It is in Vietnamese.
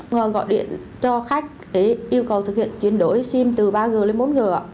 gọi điện cho khách để yêu cầu thực hiện chuyển đổi sim từ ba g lên bốn g